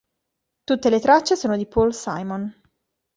Tutte le tracce sono di Paul Simon.